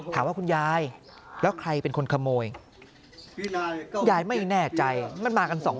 คุณยายแล้วใครเป็นคนขโมยคุณยายไม่แน่ใจมันมากันสองคน